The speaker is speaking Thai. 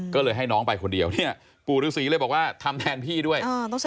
ด้วยให้น้องไปคนเดียวนี่ปู่รุษรีบอกว่าทำแทนพี่ด้วย